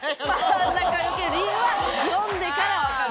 真ん中をよける理由は読んでからわかる。